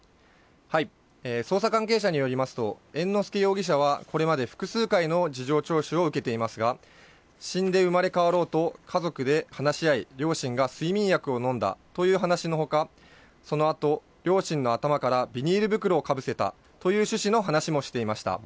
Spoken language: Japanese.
捜査関係者によりますと、猿之助容疑者は、これまで複数回の事情聴取を受けていますが、死んで生まれ変わろうと家族で話し合い、両親が睡眠薬を飲んだという話のほか、そのあと、両親の頭からビニール袋をかぶせたという趣旨の話もしていました。